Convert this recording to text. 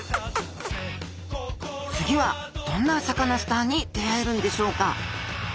次はどんなサカナスターに出会えるんでしょうか？